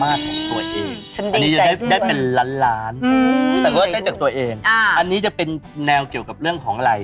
อันนี้จะได้เป็นล้านล้านแต่ก็ได้จากตัวเองอันนี้จะเป็นแนวเกี่ยวกับเรื่องของอะไร